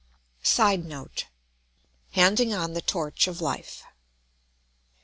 [Sidenote: Handing on the torch of life.